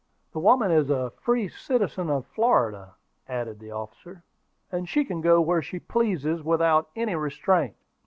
"The woman is a free citizen of Florida," added the officer; "and she can go where she pleases without any restraint."